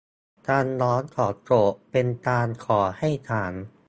คำร้องของโจทก์ เป็นการขอให้ศาล